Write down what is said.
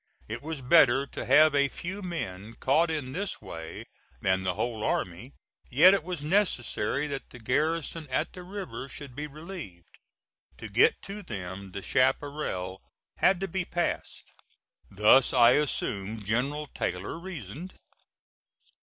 It was better to have a few men caught in this way than the whole army, yet it was necessary that the garrison at the river should be relieved. To get to them the chaparral had to be passed. Thus I assume General Taylor reasoned.